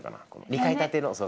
２階建ての。